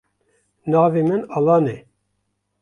Navê min Alan e.